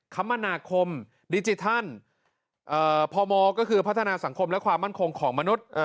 คมนาคมดิจิทัลพมก็คือพัฒนาสังคมและความมั่นคงของมนุษย์